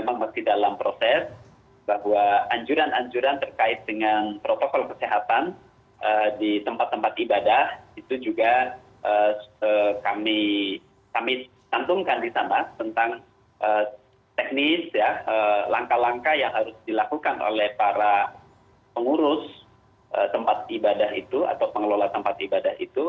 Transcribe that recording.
memang masih dalam proses bahwa anjuran anjuran terkait dengan protokol kesehatan di tempat tempat ibadah itu juga kami santumkan di sama tentang teknis langkah langkah yang harus dilakukan oleh para pengurus tempat ibadah itu atau pengelola tempat ibadah itu